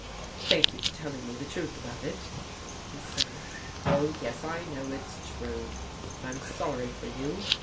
" Thank you for telling me the truth about it," he said. " Oh, yes, I know it's true. I'm sorry for you.